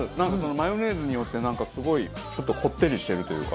マヨネーズによってなんかすごいちょっとこってりしてるというか。